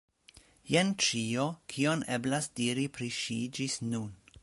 Jen ĉio, kion eblas diri pri ŝi ĝis nun.